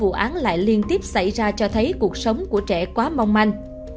vậy nhưng những vụ án lại liên tiếp xảy ra cho thấy cuộc sống của trẻ quá mong manh